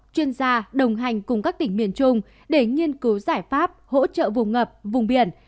chuyên gia đồng hành cùng các tỉnh miền trung để nghiên cứu giải pháp hỗ trợ vùng ngập vùng biển